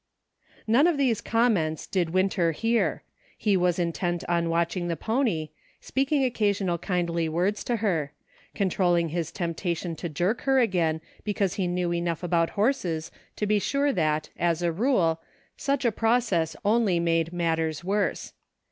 None of these comments did Winter hear ; he was intent on watching the pony, speaking occa sional kindly words to her ; controlling his temp tation to jerk her again, because he knew enough about horses to be sure that, as a rule, such a process only made matters worse.